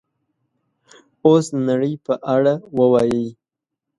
اوس د نړۍ په اړه ووایئ